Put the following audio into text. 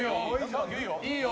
「いいよ！」